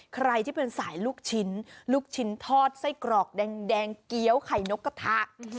ใครที่เป็นสายลูกชิ้นลูกชิ้นทอดไส้กรอกแดงเกี้ยวไข่นกกระทะ